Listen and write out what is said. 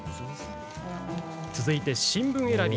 続いて、新聞選び。